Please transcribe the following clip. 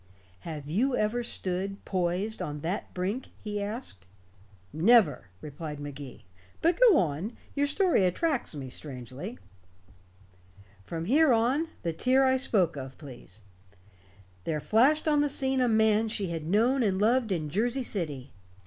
"Have you ever stood, poised, on that brink?" he asked. "Never," replied Magee. "But go on. Your story attracts me, strangely." "From here on the tear I spoke of, please. There flashed on the scene a man she had known and loved in Jersey City.